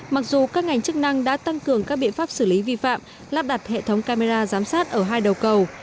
mặc dù các ngành chức năng đã tăng cường các biện pháp xử lý vi phạm lắp đặt hệ thống camera giám sát ở hai đầu cầu